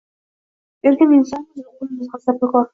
Erkin insonmizu, qulmiz g’azabkor.